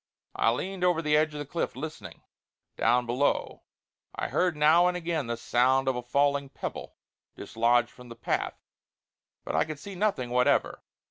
I leaned over the edge of the cliff listening. Down below I heard now and again the sound of a falling pebble, dislodged from the path, but I could see nothing whatever.